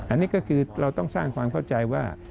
อันนี้ก็คือเราต้องสร้างความเข้าใจว่า